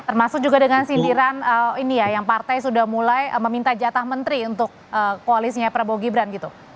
termasuk juga dengan sindiran ini ya yang partai sudah mulai meminta jatah menteri untuk koalisinya prabowo gibran gitu